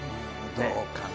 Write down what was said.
「どうかな？」